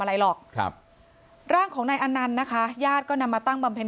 อะไรหรอกครับร่างของนายอนันต์นะคะญาติก็นำมาตั้งบำเพ็ญ